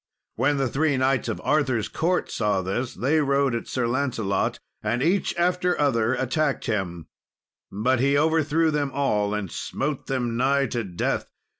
When the three knights of Arthur's court saw this, they rode at Sir Lancelot, and each after other attacked him; but he overthrew them all, and smote them nigh to death.